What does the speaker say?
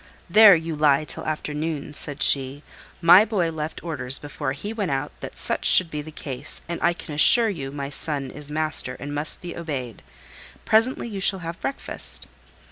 "There you lie till afternoon," said she. "My boy left orders before he went out that such should be the case, and I can assure you my son is master and must be obeyed. Presently you shall have breakfast."